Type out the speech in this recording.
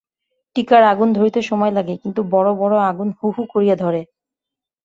টিকার আগুন ধরিতে সময় লাগে কিন্তু বড়ো বড়ো আগুন হুহু করিয়া ধরে।